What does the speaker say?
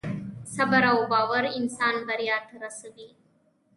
صبر او باور انسان بریا ته رسوي.